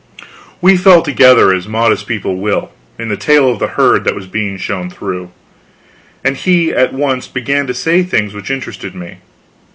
We fell together, as modest people will, in the tail of the herd that was being shown through, and he at once began to say things which interested me.